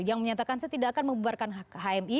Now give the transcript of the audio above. yang menyatakan saya tidak akan membuarkan hmi